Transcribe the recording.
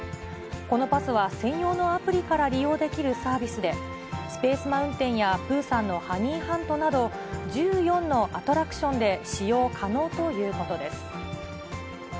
このパスは専用のアプリから利用できるサービスで、スペース・マウンテンやプーさんのハニーハントなど１４のアトラクションで使用可能ということです。